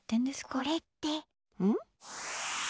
これって。